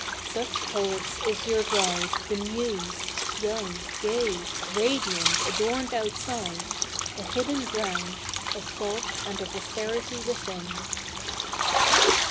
Such, poets, is your bride, the Muse! young, gay, Radiant, adorned outside; a hidden ground Of thought and of austerity within.